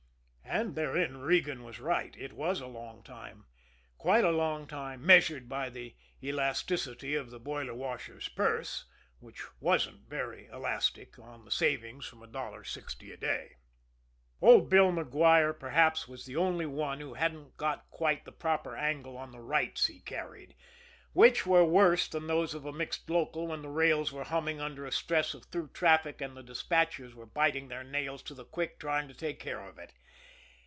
And therein Regan was right. It was a long time quite a long time measured by the elasticity of the boiler washer's purse, which wasn't very elastic on the savings from a dollar sixty a day. Old Bill Maguire, perhaps, was the only one who hadn't got quite the proper angle on the "rights" he carried which were worse than those of a mixed local when the rails were humming under a stress of through traffic and the despatchers were biting their nails to the quick trying to take care of it.